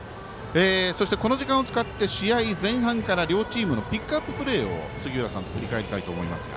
そして、この時間を使って試合前半から両チームのピックアッププレーを杉浦さんと振り返りたいと思いますが。